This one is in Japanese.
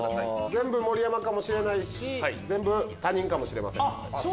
全部盛山かもしれないし全部他人かもしれません。